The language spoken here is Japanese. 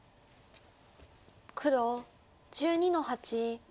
黒１２の八。